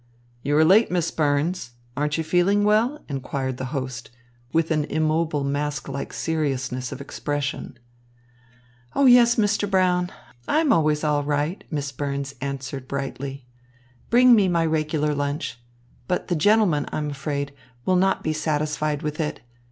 "You are late, Miss Burns. Aren't you feeling well?" inquired the host, with an immobile mask like seriousness of expression. "Oh, yes, Mr. Brown. I'm always all right," Miss Burns answered brightly. "Bring me my regular lunch. But the gentleman, I am afraid, will not be satisfied with it.